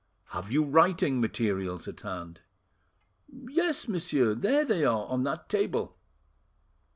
Have you writing materials at hand?" "Yes, monsieur; there they are, on that table."